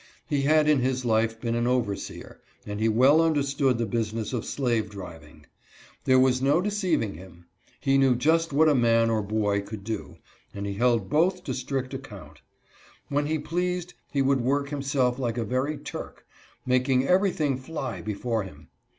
He had in his life been an overseer, and he well understood the business of slave driving. There was no deceiving him. He knew just what a man or boy could do, and he held both to strict account. When he pleased he would work himself like a very Turk, making everything fly before him.